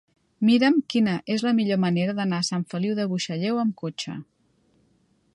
Mira'm quina és la millor manera d'anar a Sant Feliu de Buixalleu amb cotxe.